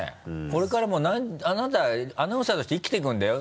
これからもうあなたアナウンサーとして生きていくんだよ。